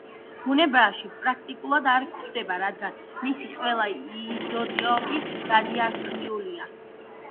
ბუნებაში პრაქტიკულად არ გვხვდება, რადგანაც მისი ყველა იზოტოპი რადიოაქტიურია.